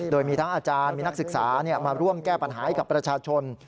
โดยมีทั้งอาจารย์มีนักศึกษามาร่วมแก้ปัญหาให้กับประชาชน